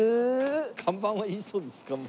看板はいいそうです看板。